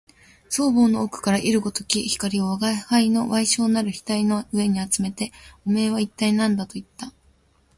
双眸の奥から射るごとき光を吾輩の矮小なる額の上にあつめて、おめえは一体何だと言った